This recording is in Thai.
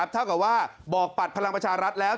เท่ากับว่าบอกปัดพลังประชารัฐแล้ว